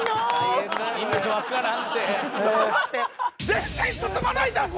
全然進まないじゃん！